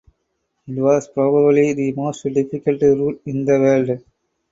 It was probably the most difficult route in the world.